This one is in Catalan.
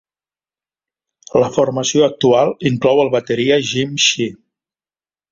La formació actual inclou el bateria Jim Shea.